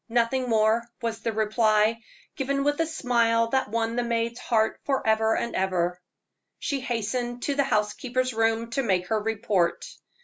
"Nothing more," was the reply, given with a smile that won the maid's heart forever and ever. She hastened to the housekeeper's room to make her report.